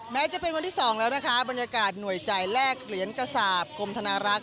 แม้จะเป็นวันที่๒แล้วนะคะบรรยากาศหน่วยจ่ายแลกเหรียญกระสาปกรมธนารักษ